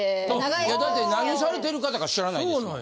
だって何されてる方か知らないですもん。